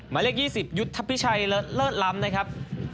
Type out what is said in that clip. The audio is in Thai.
เลข๒๐ยุทธพิชัยเลิศล้ำนะครับ